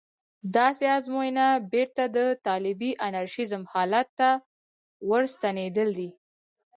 داسې ازموینه بېرته د طالبي انارشېزم حالت ته ورستنېدل دي.